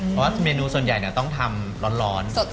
เพราะว่าเมนูส่วนใหญ่ต้องทำร้อน